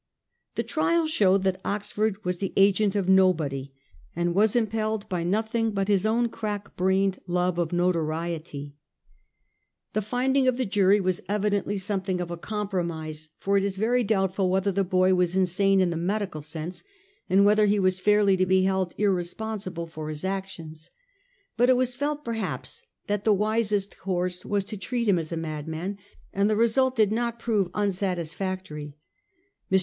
The trial showed that Oxford was the agent of nobody, and was impelled by nothing but his own crack brained, love of notoriety. The 158 A HISTORY OF OUR OWN TIMES. on. vxi. finding of the jury was evidently something of a com promise, for it is very doubtful whether the boy was insane in the medical sense, and whether he was fairly to be held irresponsible for his actions. But it was felt perhaps that the wisest course was to treat him as a ma dman ; and the result did not prove unsatis factory. Mr.